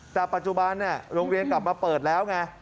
แต่ปัจจุบันโรงเรียนกลับมาเปิดแล้วไง